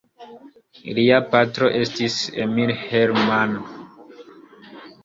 Lia patro estis Emil Herrmann.